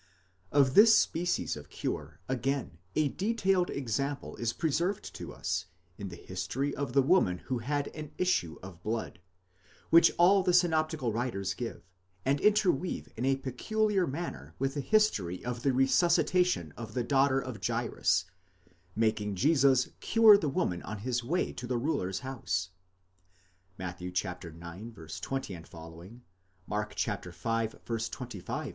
Of this species of cure again a detailed example is preserved to us, in the history of the woman who had an issue of blood, which all the synoptical writers give, and interweave in a peculiar manner with the history of the re suscitation of the daughter of Jairus, making Jesus cure the woman on his way to the ruler's house (Matt. ix. 20 ff.; Mark v. 25 ff.